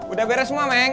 udah beres semua meng